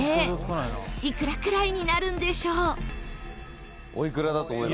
いくらくらいになるんでしょう？